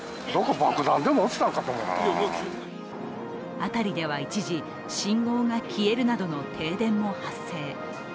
辺りでは一時信号が消えるなどの停電も発生。